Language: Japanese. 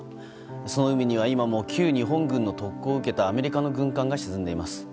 その海には今も旧日本軍の特攻を受けたアメリカの軍艦が沈んでいます。